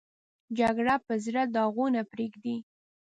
جګړه په زړه داغونه پرېږدي